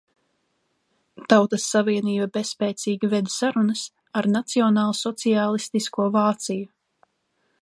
Tautas savienība bezspēcīgi veda sarunas ar nacionālsociālistisko Vāciju.